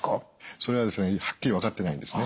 それはですねはっきり分かっていないんですね。